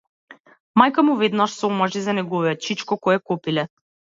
Мајка му веднаш се омажи за неговиот чичко, кој е копиле.